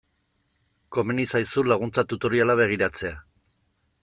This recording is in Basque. Komeni zaizu laguntza tutoriala begiratzea.